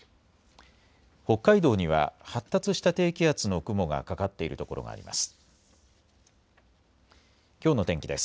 北海道には発達した低気圧の雲がかかっているところがあります。